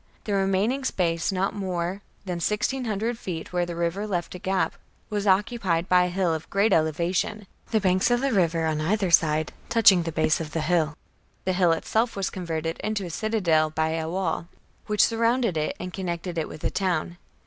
The remaining space, not more D 34 CAMPAIGNS AGAINST THE book s8 B.C. than sixteen hundred ^ feet, where the river left a gap, was occupied by a hill of great elevation, the banks of the river on either side touching the base of the hill. The hill itself was converted into a citadel by a wall, which surrounded it and connected it with the town.